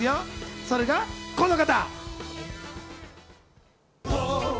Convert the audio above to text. それがこの方！